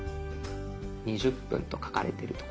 ２０分と書かれてる所。